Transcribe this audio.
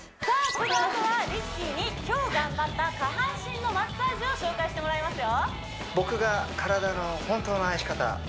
このあとはＲＩＣＫＥＹに今日頑張った下半身のマッサージを紹介してもらいますよ